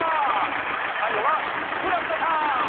最後はフラットターン！